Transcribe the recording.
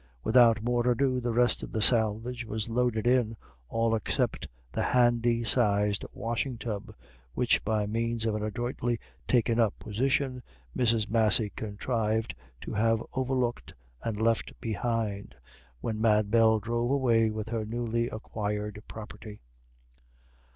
Without more ado the rest of the salvage was loaded in, all except the handy sized washing tub, which by means of an adroitly taken up position Mrs. Massey contrived to have overlooked and left behind, when Mad Bell drove away with her newly acquired property.